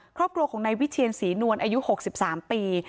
ครอบครัวของนายวิเชียนศรีนวลอายุ๖๓ปี